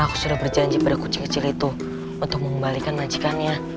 aku sudah berjanji pada kucing kecil itu untuk mengembalikan majikannya